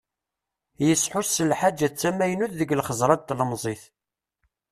Yesḥus s lḥaǧa d tamaynut deg lxeẓra n tlemẓit.